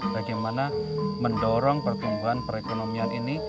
bagaimana mendorong pertumbuhan perekonomian ini